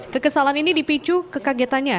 kekesalan ini dipicu kekagetannya